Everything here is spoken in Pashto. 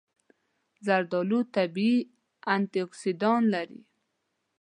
زردآلو طبیعي انټياکسیدان لري.